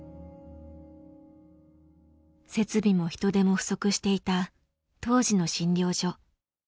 設備も人手も不足していた当時の診療所。